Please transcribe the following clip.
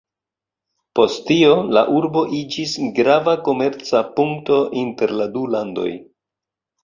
Post tio la urbo iĝis grava komerca punkto inter la du landoj.